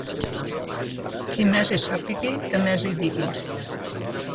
Qui més hi sàpiga, que més hi digui.